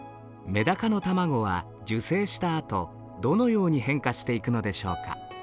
メダカの卵は受精したあとどのように変化していくのでしょうか。